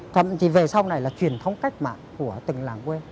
còn về sau này là truyền thống cách mạng của từng làng quê